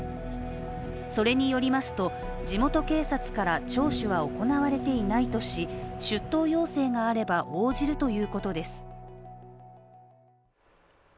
それによりますと、地元警察から聴取は行われていないとし出頭要請があれば応じるということです。